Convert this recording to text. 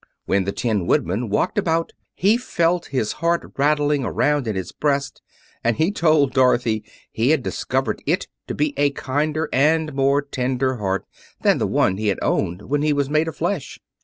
When the Tin Woodman walked about he felt his heart rattling around in his breast; and he told Dorothy he had discovered it to be a kinder and more tender heart than the one he had owned when he was made of flesh.